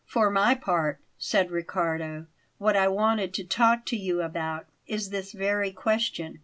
"For my part," said Riccardo; "what I wanted to talk to you about is this very question.